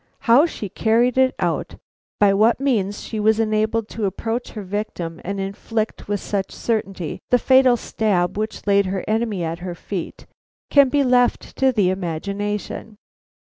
How she carried it out; by what means she was enabled to approach her victim and inflict with such certainty the fatal stab which laid her enemy at her feet, can be left to the imagination.